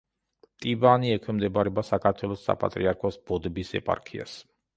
ტიბაანი ექვემდებარება საქართველოს საპატრიარქოს ბოდბის ეპარქიას.